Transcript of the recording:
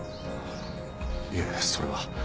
いえそれは。